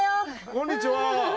こんにちは。